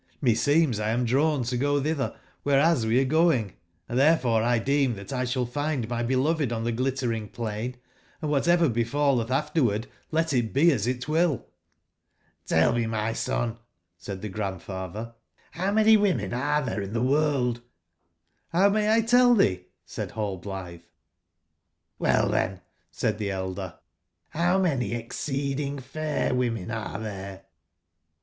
JMeseems 1 am drawn to go tbitbcr wbereas we are going; tberefore I deem tbat I sball find my beloved on tbe Glittering plain : andwbat ever bef alletb afterward, let it be as it will I " j? '* t^ell me, my son /'said tbe (3randfatber/'bow many wo/ men are tbere in tbe world 7'' j^ *' How may t tell tbee?" said Rallblitbe j^ '^OIcll, tben/'said tbe el der, ''bow many exceeding fair women are tbere?"